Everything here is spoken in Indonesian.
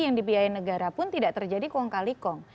yang dibiayai negara pun tidak terjadi kong kali kong